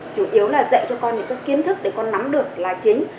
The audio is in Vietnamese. chủ yếu là dạy cho con những kiến thức để con nắm được là chính